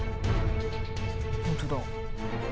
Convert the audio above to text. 本当だ。